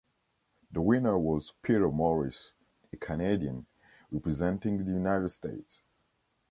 The winner was Peter Morris, a Canadian, representing the United States.